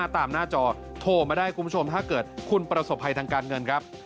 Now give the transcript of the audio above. หน้าจอโทรมาได้คุณผู้ชมถ้าเกิดคุณประสบภัยทางการเงินครับ